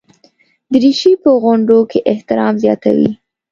دریشي په غونډو کې احترام زیاتوي.